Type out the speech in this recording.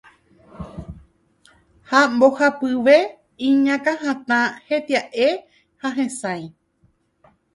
Ha mbohapyve iñakãhatã, hetia'e ha hesãi.